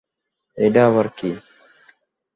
এইডা আবার কী!